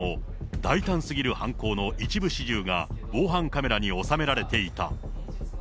一方、横浜市内の飲食店でも、大胆すぎる犯行の一部始終が防犯カメラに収められていた。